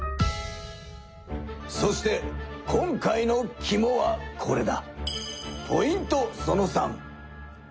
そして今回のきもはこれだ。